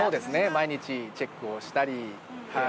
毎日チェックをしたりはい。